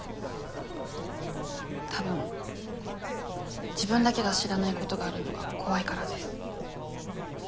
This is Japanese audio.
多分自分だけが知らないことがあるのが怖いからです。